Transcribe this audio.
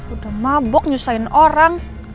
udah mabuk nyusahin orang